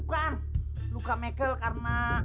bukan luka michael karena